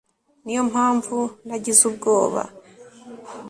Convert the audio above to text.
ni yo mpamvu nagize ubwoba,